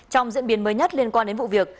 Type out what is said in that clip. trong diễn biến mới nhất liên quan đến vụ việc